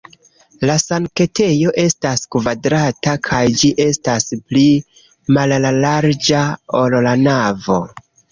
La sanktejo estas kvadrata kaj ĝi estas pli mallarĝa, ol la navo.